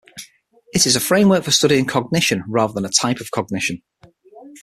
It is a framework for studying cognition rather than a type of cognition.